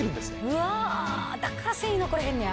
うわだから繊維残れへんのや。